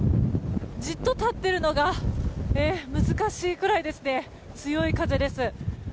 じっと立っているのが難しいくらい強い風です。